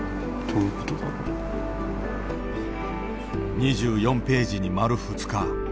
２４ページに丸２日。